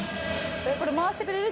これ回してくれる？